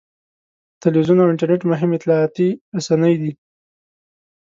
تلویزیون او انټرنېټ مهم اطلاعاتي رسنۍ دي.